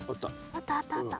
あったあったあった。